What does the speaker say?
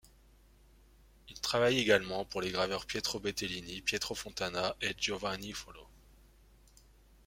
Il travaille également pour les graveurs Pietro Bettelini, Pietro Fontana et Giovanni Folo.